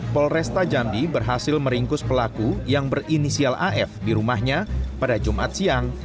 polresta jambi berhasil meringkus pelaku yang berinisial af di rumahnya pada jumat siang